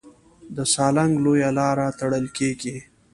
د سالنګ لویه لاره تړل کېږي.